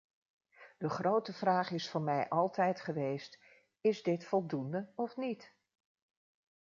De grote vraag is voor mij altijd geweest: is dit voldoende of niet?